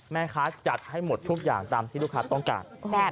แม่ค้าจัดให้หมดทุกอย่างตามที่ลูกค้าต้องการ